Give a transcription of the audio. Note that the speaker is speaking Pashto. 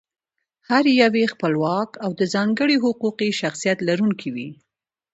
هر یو یې خپلواک او د ځانګړي حقوقي شخصیت لرونکی وي.